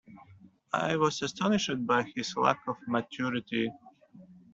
I was astonished by his lack of maturity